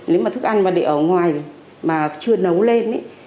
nếu mà thức ăn mà để ở ngoài mà chưa nấu lên ấy